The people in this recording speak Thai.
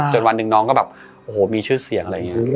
จนวันหนึ่งน้องมีชื่อเสียง